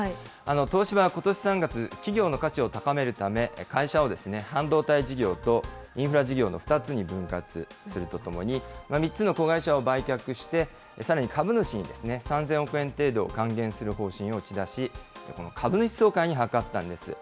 東芝はことし３月、企業の価値を高めるため、会社を半導体事業と、インフラ事業の２つに分割するとともに３つの子会社を売却して、さらに株主に３０００億円程度還元する方針を打ち出し、この株主総会に諮ったんです。